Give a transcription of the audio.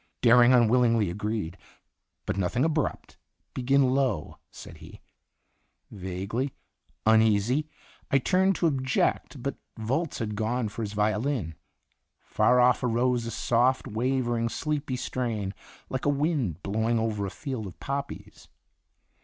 Dering unwillingly agreed. "But nothing abrupt begin low," said he. Vaguely uneasy, I turned to object; but Volz had gone for his violin. Far off arose a soft, wavering, sleepy strain, like a wind blowing over a field of poppies.